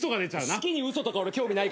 式に嘘とか俺興味ない。